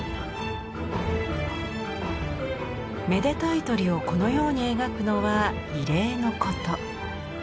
めでたい鳥をこのように描くのは異例のこと。